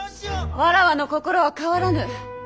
わらわの心は変わらぬ。